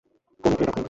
কনে কে ডাকুন।